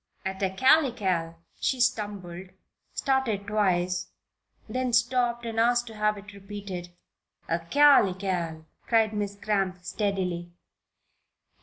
At "acalycal" she stumbled, started twice, then stopped and asked to have it repeated. "'Acalycal,'" said Miss Cramp, steadily.